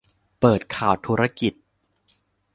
เปิดข่าวธุรกิจ